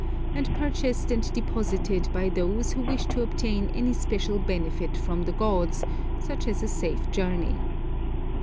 and purchased and deposited by those who wish to obtain any special benefit from the gods, such as a safe journey.